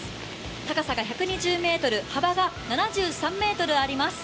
高さが１２０ｍ、幅が７３ｍあります。